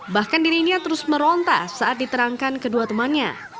bahkan dirinya terus meronta saat diterangkan kedua temannya